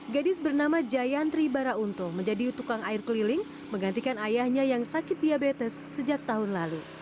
gadis bernama jayantri baraunto menjadi tukang air keliling menggantikan ayahnya yang sakit diabetes sejak tahun lalu